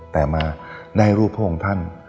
แต่มาได้รูปพระองค์ท่าน